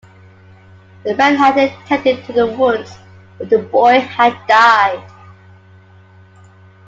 The baron had tended to the wounds, but the boy had died.